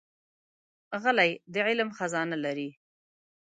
غلی، د علم خزانه لري.